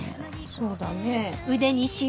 そうだねえ？